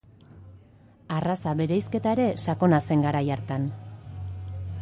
Arraza-bereizketa ere sakona zen garai hartan.